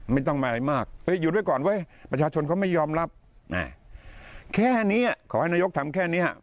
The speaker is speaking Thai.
ไม่ต้องมาอะไรมาก